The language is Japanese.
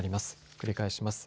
繰り返します。